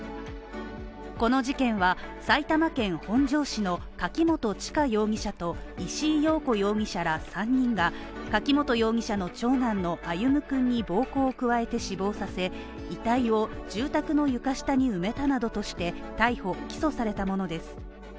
この事件は、埼玉県本庄市の柿本知香容疑者と石井陽子容疑者ら３人が柿本容疑者の長男の歩夢君に暴行を加えて死亡させ、遺体を住宅の床下に埋めたなどとして逮捕・起訴されたものです。